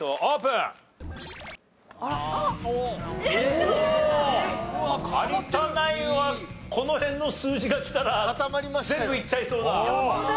有田ナインはこの辺の数字がきたら全部いっちゃいそうだ。